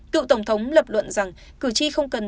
cựu tổng thống lập luận rằng cử tri không cần